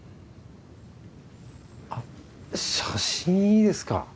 あっ写真いいですか？